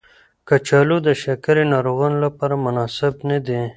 کچالو د شکرې ناروغانو لپاره مناسب ندی.